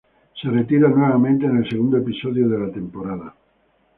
Se retira nuevamente en el segundo episodio de la temporada.